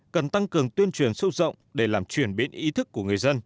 cần tăng cường tuyên truyền sâu rộng để làm chuyển biến ý thức của người dân